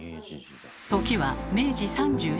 時は明治３７年。